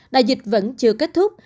đại dịch vẫn chưa kết thúc